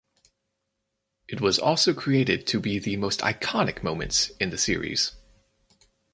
It was also created to be the most iconic moments in the series.